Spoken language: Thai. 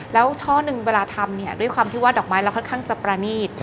แล้วช่อหนึ่งเวลาทำเนี่ยด้วยความที่ว่าดอกไม้เราค่อนข้างจะประนีต